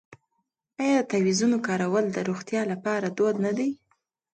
آیا د تعویذونو کارول د روغتیا لپاره دود نه دی؟